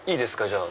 じゃあ。